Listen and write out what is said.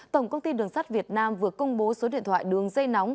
tổng công ty đường sắt việt nam vừa công bố số điện thoại đường dây nóng